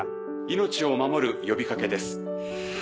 命を守る呼び掛けです。